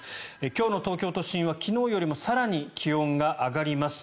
今日の東京都心は昨日よりも更に気温が上がります。